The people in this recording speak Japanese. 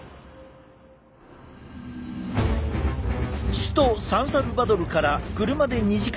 首都サンサルバドルから車で２時間。